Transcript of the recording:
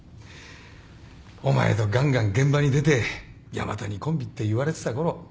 お前とがんがん現場に出て山谷コンビって言われてたころ。